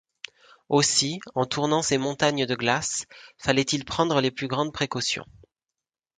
Aussi, en tournant ces montagnes de glace, fallait-il prendre les plus grandes précautions.